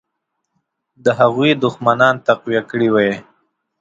د هغوی دښمنان تقویه کړي وای.